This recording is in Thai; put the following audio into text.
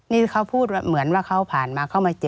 นี่เขาพูดเหมือนว่าเขาผ่านมาเขามาเจอ